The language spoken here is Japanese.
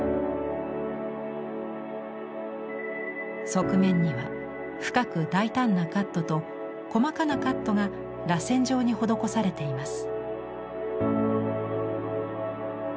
側面には深く大胆なカットと細かなカットがらせん状に施されています。